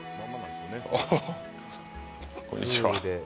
あっ、こんにちは。